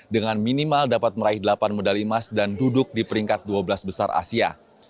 dengan minimal dapat meraih delapan medali emas dan duduk di peringkat dua belas besar asia